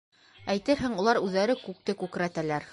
Әйтерһең, улар үҙҙәре күкте күкрәтәләр.